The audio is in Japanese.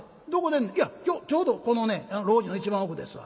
「いやちょうどこのね路地の一番奥ですわ。